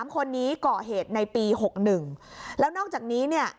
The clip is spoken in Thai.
คนนี้ก่อเหตุในปี๖๑แล้วนอกจากนี้เนี่ย